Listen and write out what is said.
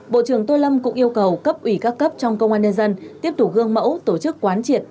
bộ trưởng tô lâm cũng yêu cầu cấp ủy các cấp trong công an nhân dân tiếp tục gương mẫu tổ chức quán triệt